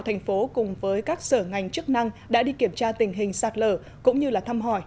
thành phố cùng với các sở ngành chức năng đã đi kiểm tra tình hình sạt lở cũng như thăm hỏi